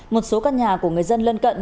một số căn nhà của người dân lân cận